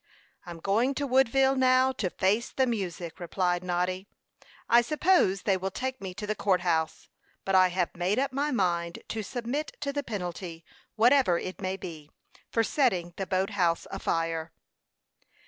"I'm going to Woodville, now, to face the music," replied Noddy. "I suppose they will take me to the court house; but I have made up my mind to submit to the penalty, whatever it may be, for setting the boat house afire."